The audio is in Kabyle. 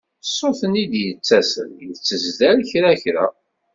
Ṣṣut-nni i d-yettasen yettezdar kra kra.